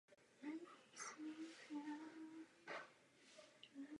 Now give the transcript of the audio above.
Později ji využívali dělníci v lomech jako sklad materiálu.